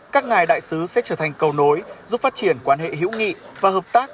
các ngài đại sứ sẽ trở thành cầu nối giúp phát triển quan hệ hữu nghị và hợp tác